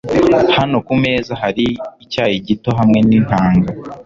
Hano kumeza hari icyayi gito hamwe nintanga.